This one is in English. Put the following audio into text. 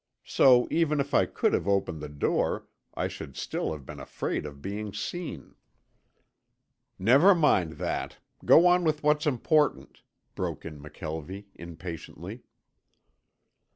So even if I could have opened the door I should still have been afraid of being seen." "Never mind that. Go on with what's important," broke in McKelvie, impatiently.